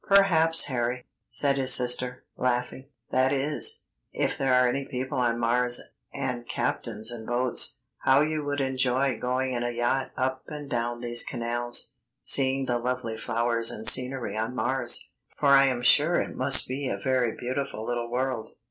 "Perhaps, Harry," said his sister, laughing; "that is, if there are any people on Mars, and captains and boats. How you would enjoy going in a yacht up and down these canals, seeing the lovely flowers and scenery on Mars, for I am sure it must be a very beautiful little world.